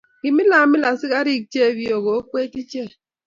Kimilamil askiriik che bio kokwee icheek.